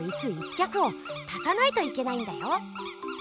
きゃくを足さないといけないんだよ。